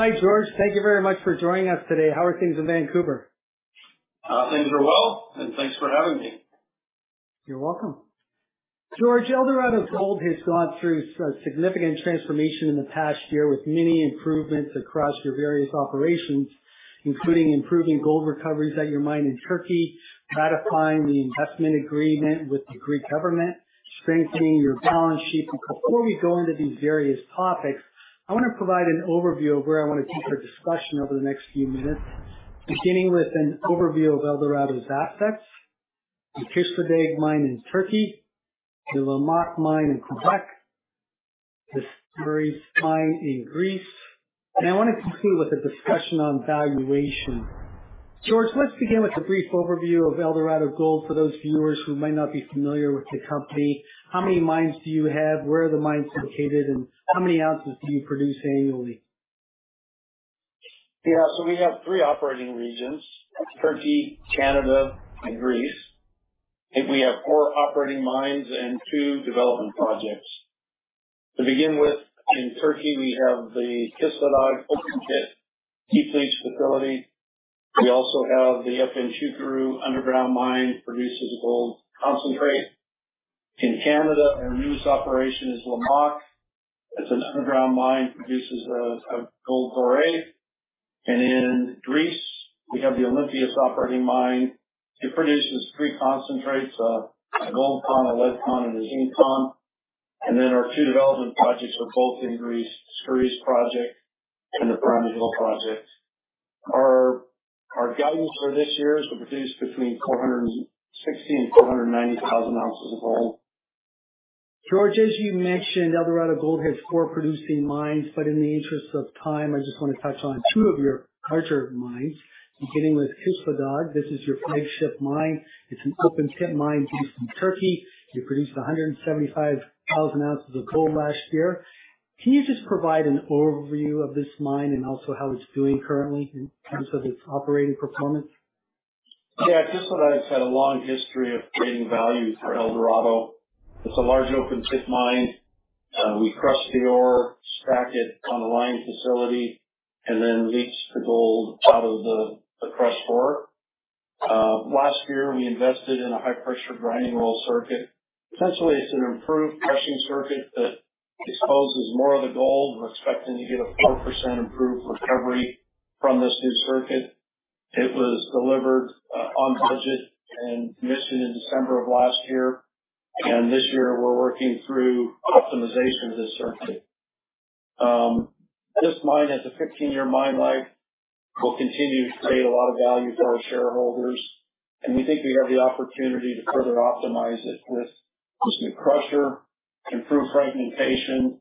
Hi, George. Thank you very much for joining us today. How are things in Vancouver? Things are well, and thanks for having me. You're welcome. George, Eldorado Gold has gone through significant transformation in the past year with many improvements across your various operations, including improving gold recoveries at your mine in Turkey, ratifying the investment agreement with the Greek government, strengthening your balance sheet. Before we go into these various topics, I wanna provide an overview of where I wanna keep our discussion over the next few minutes, beginning with an overview of Eldorado's assets, the Kışladağ mine in Turkey, the Lamaque mine in Quebec, the Skouries mine in Greece, and I wanna conclude with a discussion on valuation. George, let's begin with a brief overview of Eldorado Gold for those viewers who might not be familiar with the company. How many mines do you have? Where are the mines located, and how many ounces do you produce annually? Yeah. We have three operating regions, Turkey, Canada and Greece. We have four operating mines and two development projects. To begin with, in Turkey, we have the Kışladağ open pit heap leach facility. We also have the Efemçukuru underground mine that produces gold concentrate. In Canada, our newest operation is Lamaque. It's an underground mine that produces gold ore. In Greece, we have the Olympias operating mine. It produces three concentrates, a gold con, a lead con, and a zinc con. Our two development projects are both in Greece, Skouries project and the Perama Hill project. Our guidance for this year is we'll produce between 460,000 and 490,000 ounces of gold. George, as you mentioned, Eldorado Gold has four producing mines, but in the interest of time, I just wanna touch on two of your larger mines, beginning with Kışladağ. This is your flagship mine. It's an open pit mine based in Turkey. You produced 175,000 ounces of gold last year. Can you just provide an overview of this mine and also how it's doing currently in terms of its operating performance? Yeah. Kışladağ's had a long history of creating value for Eldorado. It's a large open pit mine. We crush the ore, stack it on the mining facility, and then leach the gold out of the crushed ore. Last year, we invested in a high pressure grinding roll circuit. Essentially, it's an improved crushing circuit that exposes more of the gold. We're expecting to get a 4% improved recovery from this new circuit. It was delivered on budget and commissioned in December of last year. This year we're working through optimization of this circuit. This mine has a 15-year mine life. We'll continue to create a lot of value for our shareholders, and we think we have the opportunity to further optimize it with this new crusher, improve fragmentation,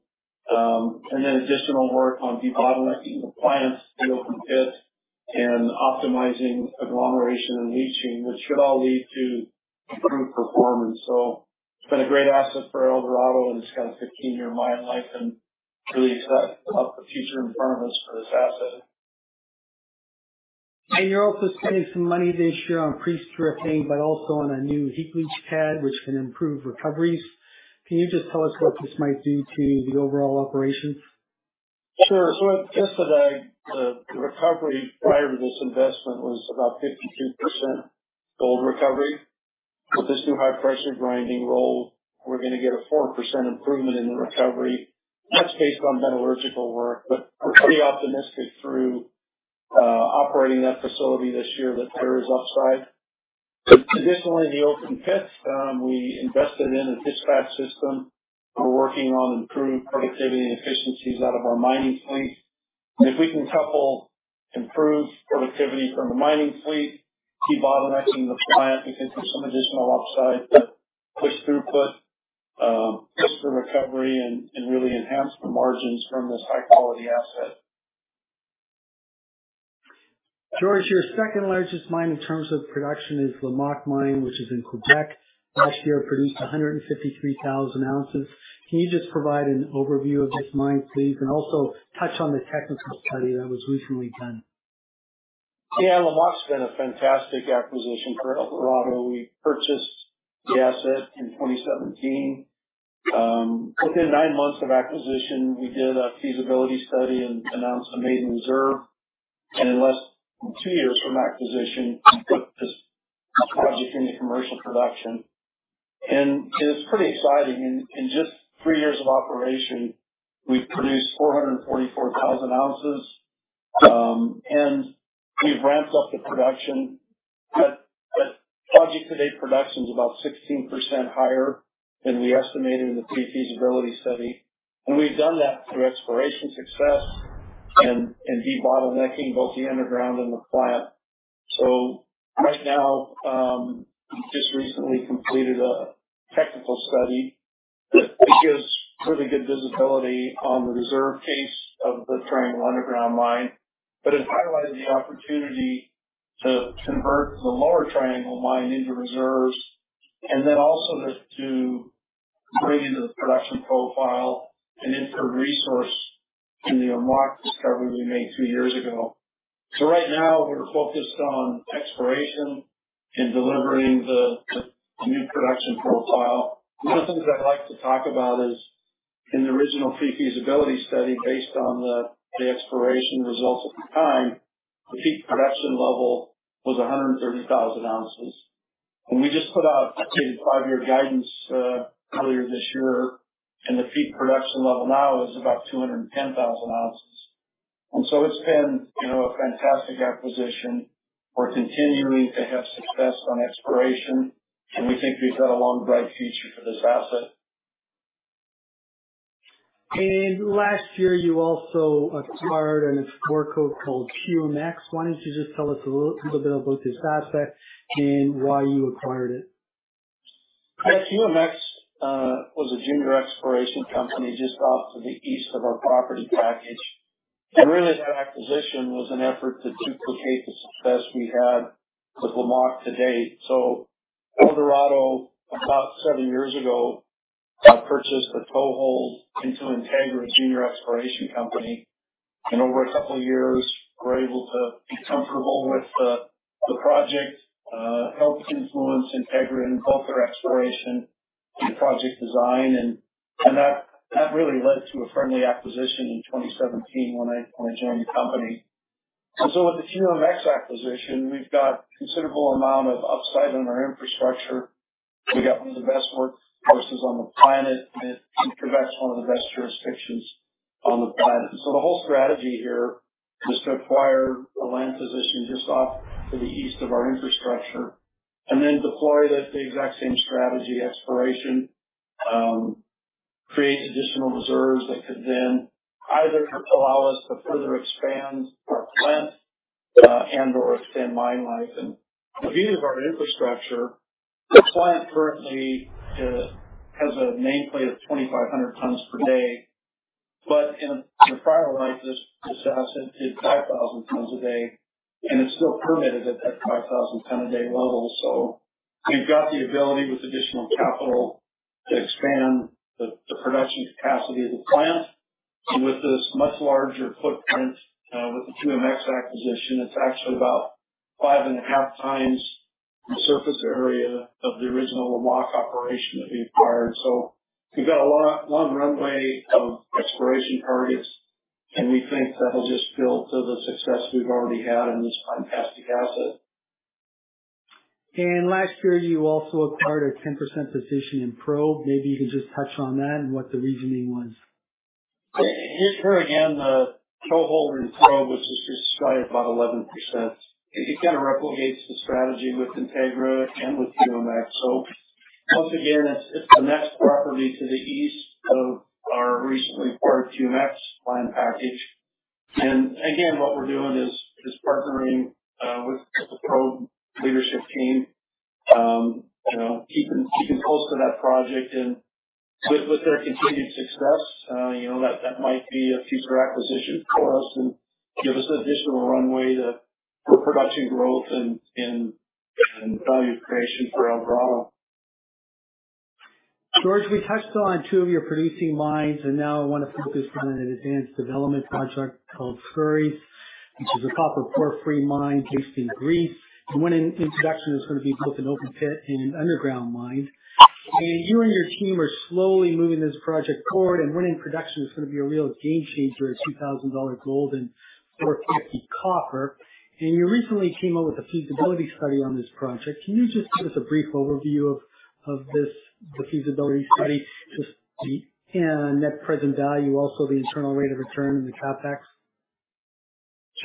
and then additional work on debottlenecking the plants, the open pit, and optimizing agglomeration and leaching, which should all lead to improved performance. It's been a great asset for Eldorado, and it's got a 15-year mine life, and we're really excited about the future in front of us for this asset. You're also spending some money this year on pre-stripping, but also on a new heap leach pad, which can improve recoveries. Can you just tell us what this might do to the overall operations? Sure. At Kışladağ, the recovery prior to this investment was about 52% gold recovery. With this new high pressure grinding roll, we're gonna get a 4% improvement in the recovery. That's based on metallurgical work, but we're pretty optimistic through operating that facility this year that there is upside. Additionally, the open pits, we invested in a dispatch system. We're working on improved productivity and efficiencies out of our mining fleet. If we can couple improved productivity from the mining fleet, debottlenecking the plant, we can see some additional upside that push throughput, boost the recovery and really enhance the margins from this high quality asset. George, your second largest mine in terms of production is Lamaque mine, which is in Quebec. Last year, it produced 153,000 ounces. Can you just provide an overview of this mine, please, and also touch on the technical study that was recently done? Yeah, Lamaque's been a fantastic acquisition for Eldorado. We purchased the asset in 2017. Within nine months of acquisition, we did a feasibility study and announced a maiden reserve. In less than two years from acquisition, we put this project into commercial production. It's pretty exciting. In just three years of operation, we've produced 444,000 ounces. We've ramped up the production, but project to date production is about 16% higher than we estimated in the pre-feasibility study. We've done that through exploration success and debottlenecking both the underground and the plant. Right now, just recently completed a technical study that gives really good visibility on the reserve case of the Triangle underground mine, but it highlighted the opportunity to convert the lower Triangle mine into reserves and then also to bring into the production profile an inferred resource in the Lamaque discovery we made two years ago. Right now we're focused on exploration and delivering the new production profile. One of the things I'd like to talk about is in the original pre-feasibility study, based on the exploration results at the time, the peak production level was 130,000 ounces. We just put out, I'd say five-year guidance, earlier this year, and the peak production level now is about 210,000 ounces. It's been, you know, a fantastic acquisition. We're continuing to have success on exploration, and we think we've got a long, bright future for this asset. Last year, you also acquired an explorer called QMX. Why don't you just tell us a little bit about this asset and why you acquired it? Yes. QMX was a junior exploration company just off to the east of our property package. Really, that acquisition was an effort to duplicate the success we had with Lamaque to date. Eldorado, about seven years ago, purchased a toehold into Integra, a junior exploration company. Over a couple of years, we were able to be comfortable with the project, helped influence Integra and focus their exploration and project design and that really led to a friendly acquisition in 2017 when I joined the company. With the QMX acquisition, we've got considerable amount of upside in our infrastructure. We got one of the best workforces on the planet, and it's in perhaps one of the best jurisdictions on the planet. The whole strategy here is to acquire a land position just off to the east of our infrastructure and then deploy the exact same strategy, exploration, create additional reserves that could then either allow us to further expand our plant, and/or extend mine life. The beauty of our infrastructure, the plant currently, has a nameplate of 2,500 tons per day. In a prior life, this asset did 5,000 tons a day, and it's still permitted at that 5,000 ton a day level. We've got the ability with additional capital to expand the production capacity of the plant. With this much larger footprint, with the QMX acquisition, it's actually about 5.5 times the surface area of the original Lamaque operation that we acquired. We've got a long runway of exploration targets, and we think that'll just build to the success we've already had in this fantastic asset. Last year, you also acquired a 10% position in Probe. Maybe you can just touch on that and what the reasoning was. Here again, the toehold in Probe, which is just slightly about 11%. It kind of replicates the strategy with Integra and with QMX. Once again, it's the next property to the east of our recently acquired QMX land package. Again, what we're doing is partnering with the Probe leadership team, you know, keeping close to that project and with their continued success, you know, that might be a future acquisition for us and give us additional runway to for production growth and value creation for Eldorado. George, we touched on two of your producing mines, and now I want to focus on an advanced development project called Skouries, which is a copper porphyry mine based in Greece. When in production, it's gonna be both an open pit and an underground mine. You and your team are slowly moving this project forward, and when in production, it's gonna be a real game changer at $2,000 gold and $4.50 copper. You recently came out with a feasibility study on this project. Can you just give us a brief overview of the feasibility study, and net present value, also the internal rate of return and the CapEx?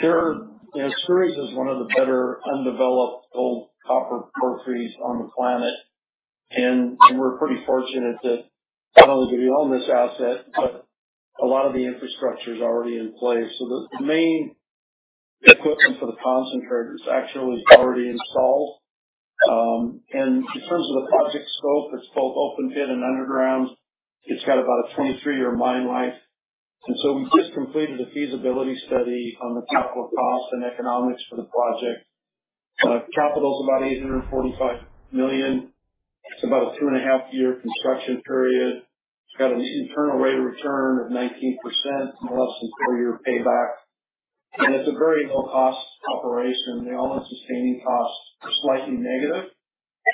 Sure. Yeah. Skouries is one of the better undeveloped gold-copper porphyries on the planet. We're pretty fortunate that not only do we own this asset, but a lot of the infrastructure is already in place. The main equipment for the concentrators actually is already installed. In terms of the project scope, it's both open pit and underground. It's got about a 23-year mine life. We just completed a feasibility study on the capital cost and economics for the project. Capital is about $845 million. It's about a two and a half-year construction period. It's got an internal rate of return of 19%, less than four-year payback. It's a very low cost operation. The all in sustaining costs are slightly negative.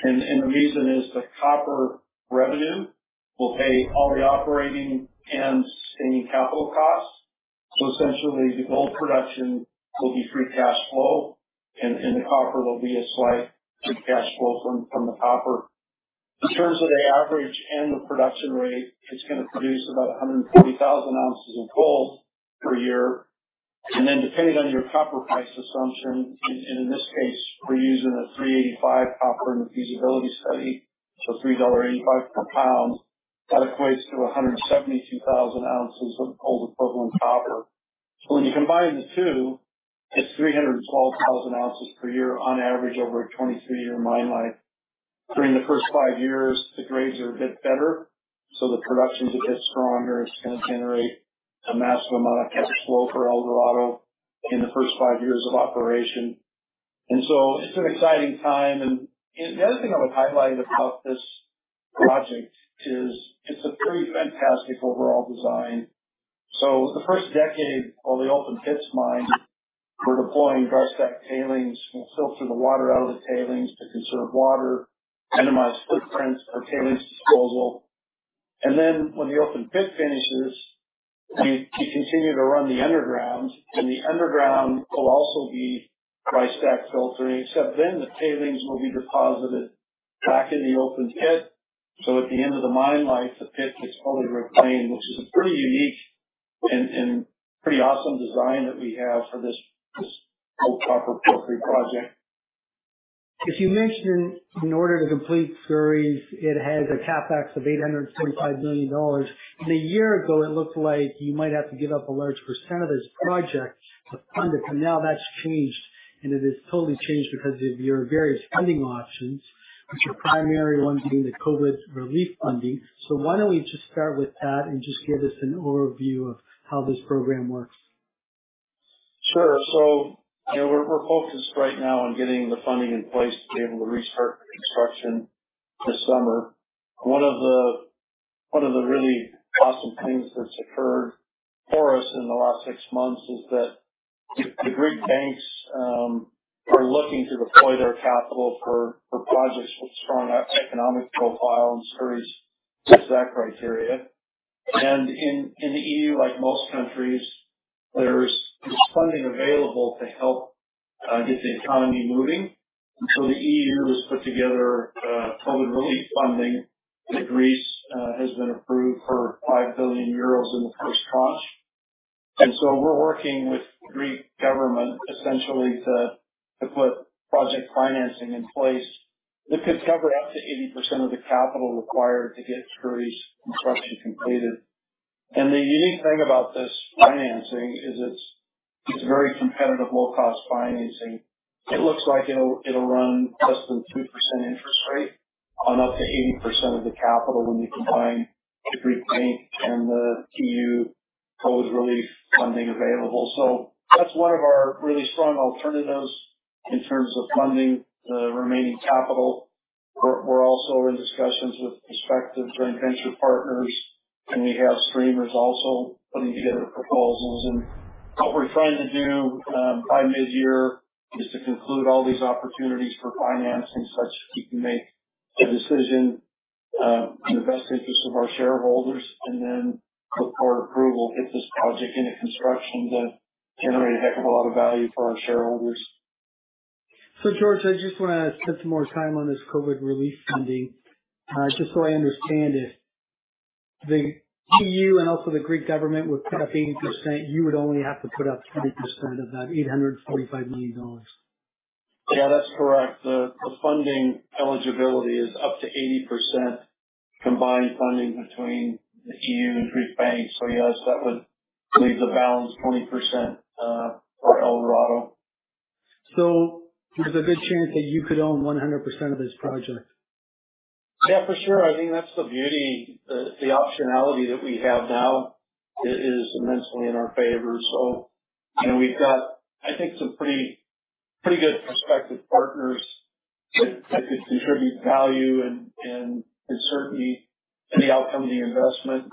The reason is that copper revenue will pay all the operating and sustaining capital costs. Essentially the gold production will be free cash flow, and the copper will be a slight free cash flow from the copper. In terms of the average and the production rate, it's gonna produce about 150,000 ounces of gold per year. Then depending on your copper price assumption, and in this case, we're using a $3.85 copper in the feasibility study, so $3.85 per pound, that equates to 172,000 ounces of gold equivalent copper. When you combine the two, it's 312,000 ounces per year on average over a 23-year mine life. During the first five years, the grades are a bit better, so the production's a bit stronger. It's gonna generate a massive amount of cash flow for Eldorado in the first five years of operation. It's an exciting time. The other thing I would highlight about this project is it's a pretty fantastic overall design. The first decade of the open pits mine, we're deploying dry stack tailings. We'll filter the water out of the tailings to conserve water, minimize footprints for tailings disposal. Then when the open pit finishes, we continue to run the underground, and the underground will also be dry stack filtering, except then the tailings will be deposited back in the open pit. At the end of the mine life, the pit gets fully reclaimed, which is a pretty unique and pretty awesome design that we have for this gold copper porphyry project. If you mentioned in order to complete Skouries, it has a CapEx of $875 million. A year ago it looked like you might have to give up a large percent of this project to fund it. Now that's changed, and it has totally changed because of your various funding options, with your primary one being the COVID relief funding. Why don't we just start with that and just give us an overview of how this program works. Sure. You know, we're focused right now on getting the funding in place to be able to restart construction this summer. One of the really awesome things that's occurred for us in the last six months is that the Greek banks are looking to deploy their capital for projects with strong economic profile, and Skouries fits that criteria. In the E.U., like most countries, there's funding available to help get the economy moving. The E.U. has put together COVID relief funding that Greece has been approved for 5 billion euros in the first tranche. We're working with Greek government essentially to put project financing in place that could cover up to 80% of the capital required to get Skouries construction completed. The unique thing about this financing is it's very competitive low cost financing. It looks like it'll run less than 2% interest rate on up to 80% of the capital when you combine the Greek bank and the E.U. COVID relief funding available. That's one of our really strong alternatives in terms of funding the remaining capital. We're also in discussions with prospective joint venture partners, and we have streamers also putting together proposals. What we're trying to do by mid-year is to conclude all these opportunities for financing such that we can make a decision in the best interest of our shareholders. Then with board approval, get this project into construction to generate a heck of a lot of value for our shareholders. George, I just wanna spend some more time on this COVID relief funding. Just so I understand it. The EU and also the Greek government would put up 80%. You would only have to put up 20% of that $845 million. Yeah. That's correct. The funding eligibility is up to 80% combined funding between the EU and Greek banks. Yes, that would leave the balance 20% for Eldorado. There's a good chance that you could own 100% of this project. Yeah, for sure. I think that's the beauty. The optionality that we have now is immensely in our favor. You know, we've got, I think, some pretty good prospective partners that could contribute value and certainty to the outcome of the investment.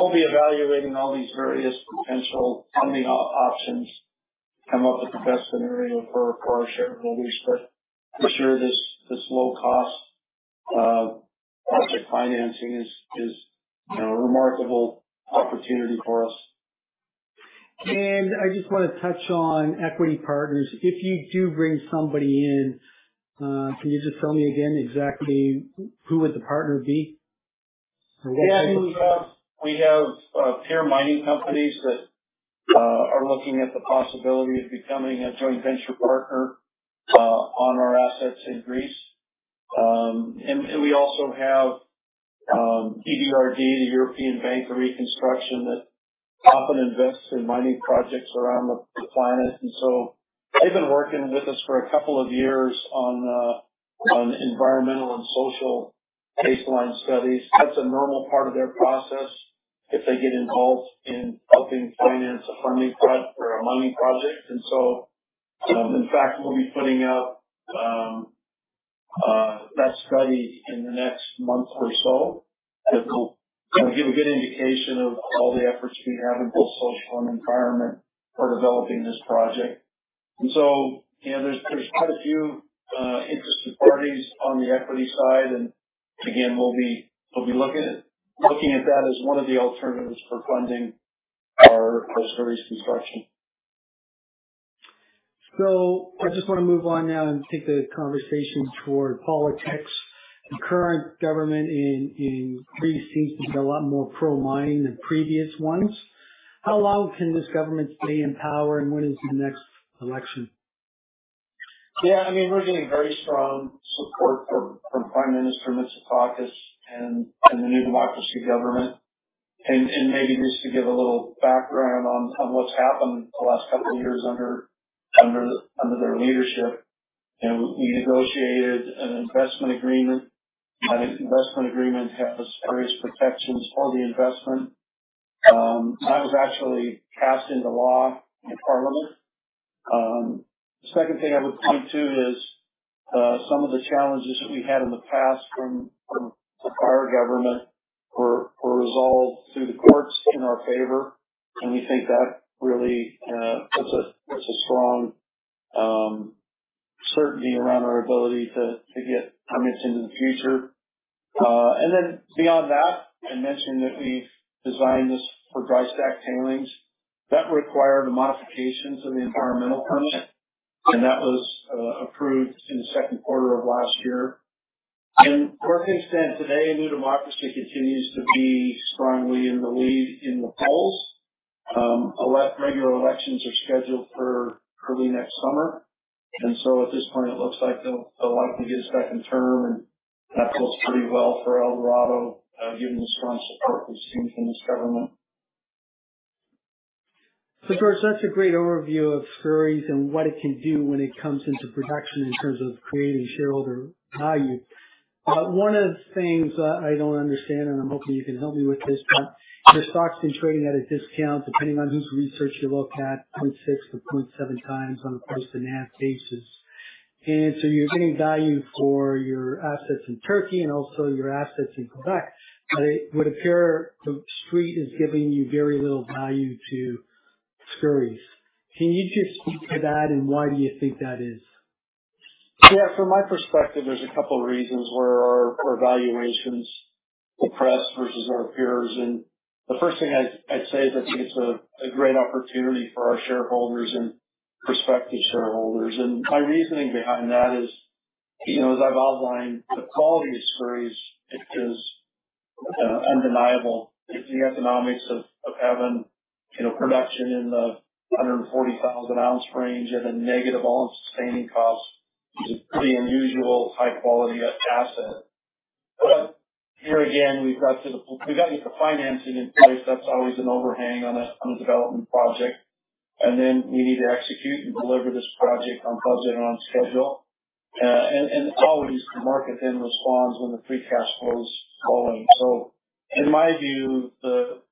We'll be evaluating all these various potential funding options, come up with the best scenario for our shareholders. This low cost project financing is, you know, a remarkable opportunity for us. I just wanna touch on equity partners. If you do bring somebody in, can you just tell me again exactly who would the partner be? Yeah. We have peer mining companies that are looking at the possibility of becoming a joint venture partner on our assets in Greece. We also have EBRD, the European Bank for Reconstruction and Development, that often invests in mining projects around the planet. They've been working with us for a couple of years on environmental and social baseline studies. That's a normal part of their process if they get involved in helping finance a funding project or a mining project. In fact, we'll be putting out that study in the next month or so. That'll, kind of, give a good indication of all the efforts we have in both social and environmental for developing this project. You know, there's quite a few interested parties on the equity side. Again, we'll be looking at that as one of the alternatives for funding our Skouries construction. I just wanna move on now and take the conversation toward politics. The current government in Greece seems to be a lot more pro-mining than previous ones. How long can this government stay in power, and when is the next election? Yeah, I mean, we're getting very strong support from Prime Minister Mitsotakis and the New Democracy government. Maybe just to give a little background on what's happened the last couple of years under their leadership. You know, we negotiated an investment agreement. That investment agreement has various protections for the investment. That was actually cast into law in Parliament. Second thing I would point to is some of the challenges that we've had in the past from the prior government were resolved through the courts in our favor. We think that really puts a strong certainty around our ability to get permits in the future. Then beyond that, I mentioned that we've designed this for dry stack tailings. That required modifications of the environmental permit, and that was approved in the second quarter of last year. As of today, New Democracy continues to be strongly in the lead in the polls. Regular elections are scheduled for early next summer, and so at this point, it looks like they'll likely get a second term, and that bodes pretty well for Eldorado, given the strong support we've seen from this government. George, that's a great overview of Skouries and what it can do when it comes into production in terms of creating shareholder value. One of the things I don't understand, and I'm hoping you can help me with this, but the stock's been trading at a discount depending on whose research you look at 0.6x-0.7x on a Price to NAV basis. You're getting value for your assets in Turkey and also your assets in Quebec. It would appear the street is giving you very little value to Skouries. Can you just speak to that, and why do you think that is? Yeah. From my perspective, there's a couple reasons where our valuation's depressed versus our peers. The first thing I'd say is I think it's a great opportunity for our shareholders and prospective shareholders. My reasoning behind that is, you know, as I've outlined, the quality of Skouries is undeniable. It's the economics of having, you know, production in the 140,000 ounce range at a negative all-in sustaining cost is a pretty unusual high quality asset. Here again, we've got to get the financing in place. That's always an overhang on a development project. Then we need to execute and deliver this project on budget and on schedule. And as always, the market then responds when the free cash flow is flowing. In my view, the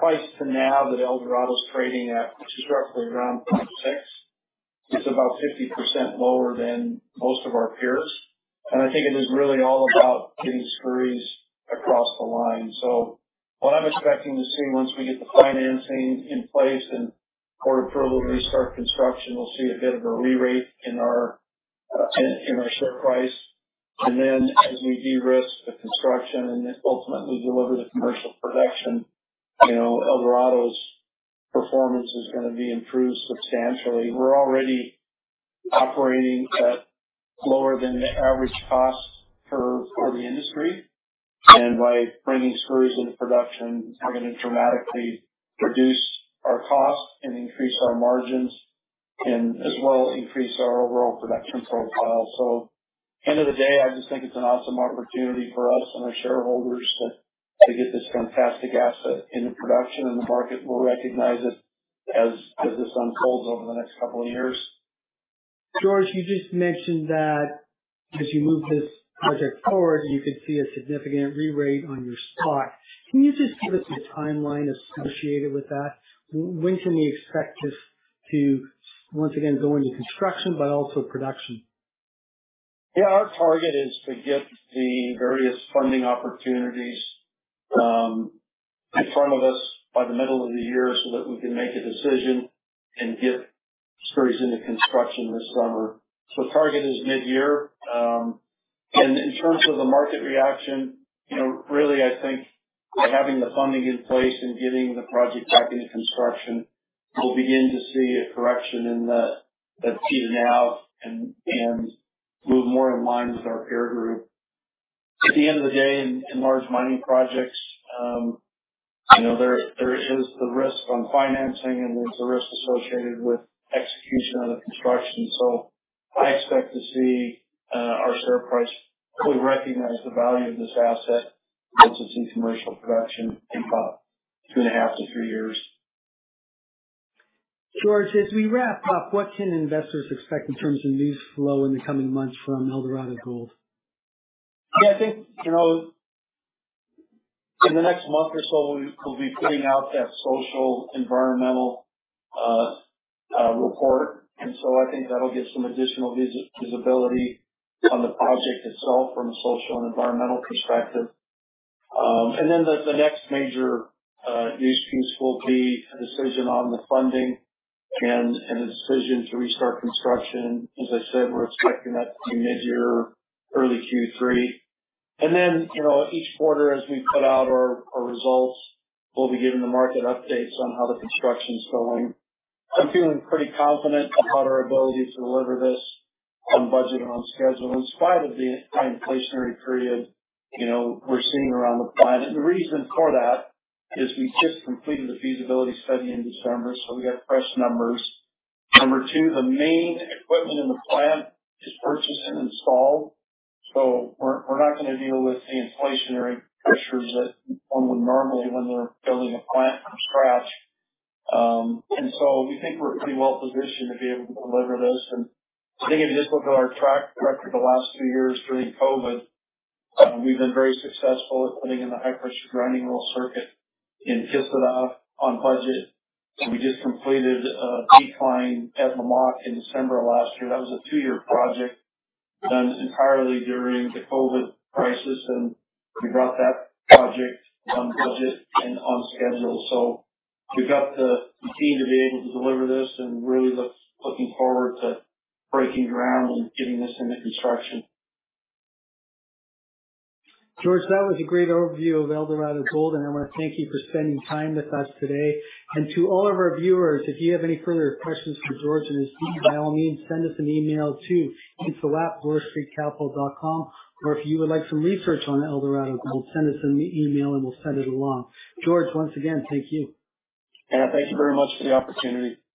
price to NAV that Eldorado's trading at, which is roughly around 0.6, is about 50% lower than most of our peers. I think it is really all about getting Skouries across the line. What I'm expecting to see once we get the financing in place and board approval to restart construction, we'll see a bit of a re-rate in our share price. Then as we de-risk the construction and then ultimately deliver the commercial production, you know, Eldorado's performance is gonna be improved substantially. We're already operating at lower than average costs for the industry. By bringing Skouries into production, we're gonna dramatically reduce our costs and increase our margins and as well increase our overall production profile. End of the day, I just think it's an awesome opportunity for us and our shareholders to get this fantastic asset into production, and the market will recognize it as this unfolds over the next couple of years. George, you just mentioned that as you move this project forward, you could see a significant re-rate on your stock. Can you just give us a timeline associated with that? When can we expect this to once again go into construction but also production? Yeah. Our target is to get the various funding opportunities in front of us by the middle of the year so that we can make a decision and get Skouries into construction this summer. Target is midyear. In terms of the market reaction, you know, really, I think by having the funding in place and getting the project back into construction, we'll begin to see a correction in the P/NAV and move more in line with our peer group. At the end of the day, in large mining projects, you know, there is the risk on financing and there's the risk associated with execution of the construction. I expect to see our share price fully recognize the value of this asset once you see commercial production in about two and half to three years. George, as we wrap up, what can investors expect in terms of news flow in the coming months from Eldorado Gold? I think, you know, in the next month or so, we'll be putting out that social and environmental report. I think that'll get some additional visibility on the project itself from a social and environmental perspective. The next major news piece will be a decision on the funding and a decision to restart construction. As I said, we're expecting that to be midyear, early Q3. You know, each quarter as we put out our results, we'll be giving the market updates on how the construction's going. I'm feeling pretty confident about our ability to deliver this on budget and on schedule in spite of the high inflationary period, you know, we're seeing around the planet. The reason for that is we just completed the feasibility study in December, so we got fresh numbers. Number two, the main equipment in the plant is purchased and installed. We're not gonna deal with the inflationary pressures that one would normally when they're building a plant from scratch. We think we're pretty well positioned to be able to deliver this. I think if you just look at our track record the last few years during COVID, we've been very successful at putting in the high-pressure grinding mill circuit in Kışladağ on budget. We just completed a decline at Lamaque in December of last year. That was a two-year project done entirely during the COVID crisis, and we brought that project on budget and on schedule. We've got the team to be able to deliver this and looking forward to breaking ground and getting this into construction. George, that was a great overview of Eldorado Gold, and I wanna thank you for spending time with us today. To all of our viewers, if you have any further questions for George and his team, by all means, send us an email to info@wallstreetcapital.com. Or if you would like some research on Eldorado Gold, send us an email, and we'll send it along. George, once again, thank you. Tanya Jakusconek, thank you very much for the opportunity.